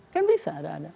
kan bisa ada ada